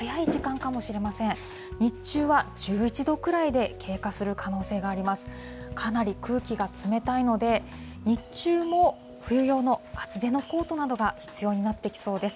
かなり空気は冷たいので、日中も冬用の厚手のコートなどが必要になってきそうです。